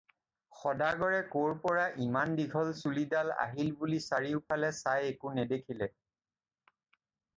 সদাগৰে ক'ৰপৰা ইমান দীঘল চুলিডাল আহিল বুলি চাৰিওফালে চাই একো নেদেখিলে।